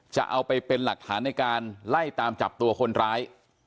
จะเอาไปเป็นหลักฐานในการไล่ตามจับตัวคนร้าย